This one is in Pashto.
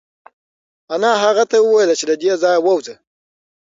انا هغه ته وویل چې له دې ځایه ووځه.